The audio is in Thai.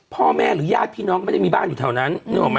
พ่อแม่หรือญาติพี่น้องไม่ได้มีบ้านอยู่แถวนั้น